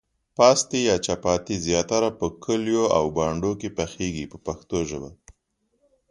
پاستي یا چپاتي زیاتره په کلیو او بانډو کې پخیږي په پښتو ژبه.